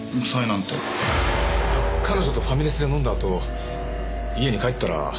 いや彼女とファミレスで飲んだあと家に帰ったら。